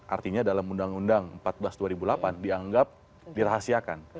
artinya dalam undang undang empat belas dua ribu delapan dianggap dirahasiakan